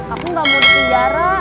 aku gak mau di penjara